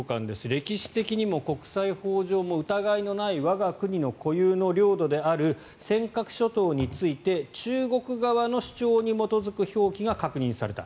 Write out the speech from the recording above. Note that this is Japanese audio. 歴史的にも国際法上も疑いのない我が国の固有の領土である尖閣諸島について中国側の主張に基づく表記が確認された。